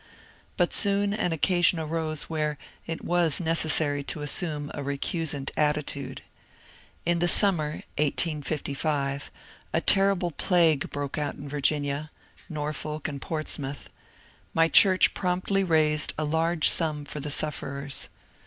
But soon an occasion arose where it was necessary to assume a recusant attitude. In the sum mer (1855) a terrible plague broke out in Virginia (Norfolk and Portsmouth). My church promptly raised a large sum for the sufferers.